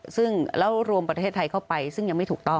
ซึ่งแล้วรวมประเทศไทยเข้าไปซึ่งยังไม่ถูกต้อง